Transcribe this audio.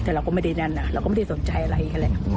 แต่เราก็ไม่ได้นั่นเราก็ไม่ได้สนใจอะไรกันแหละ